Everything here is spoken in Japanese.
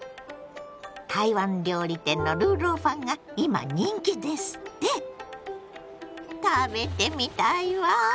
台湾料理店の魯肉飯が今人気ですって⁉食べてみたいわ。